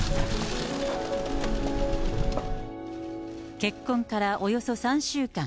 結婚からおよそ３週間。